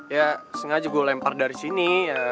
ya sengaja gue lempar dari sini